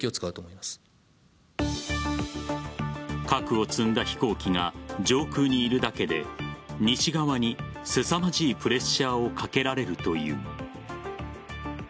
核を積んだ飛行機が上空にいるだけで西側にすさまじいプレッシャーをかけられるという。